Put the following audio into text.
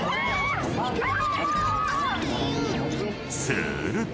［すると］